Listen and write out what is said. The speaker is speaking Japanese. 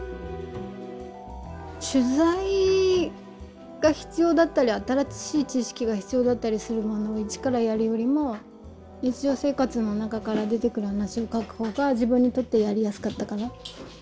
取材が必要だったり新しい知識が必要だったりするものを一からやるよりも日常生活の中から出てくる話を描く方が自分にとってやりやすかったから。